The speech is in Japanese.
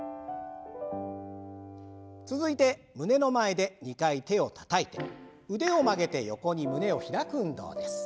続いて胸の前で２回手をたたいて腕を曲げて横に胸を開く運動です。